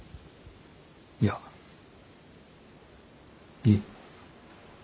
いやいい。